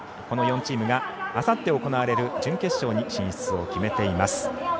この４チームがあさって行われる準決勝に進出を決めています。